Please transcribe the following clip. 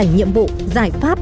bảy nhiệm vụ giải pháp